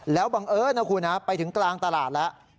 แล้วบังเอิญนะคุณไปถึงกลางตลาดแล้ว